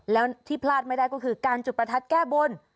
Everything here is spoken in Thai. แล้วที่พลาดไม่ได้ก็คือการจุดประทัดแก้บน